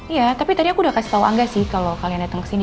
iya tapi tadi aku udah kasih tau angga sih kalau kalian dateng kesini